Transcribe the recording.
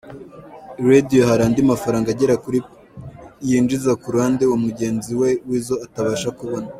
Radio hari andi mafaranga agera kuri % yinjiza ku ruhande mugenzi we Weasel atabasha kubona.